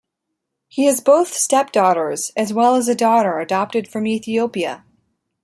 He has both step-daughters, as well as a daughter adopted from Ethiopia.